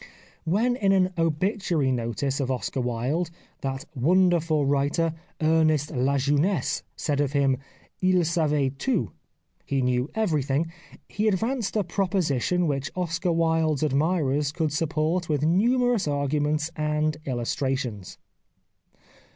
When in an obituary notice of Oscar Wilde that wonderful writer, Ernest La Jeunesse, said of him, // savait tout (he knew everything), he advanced a proposition which Oscar Wilde's admirers could support with numerous arguments and illustrations.